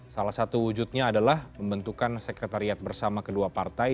salah satu wujudnya adalah membentukan sekretariat bersama kedua partai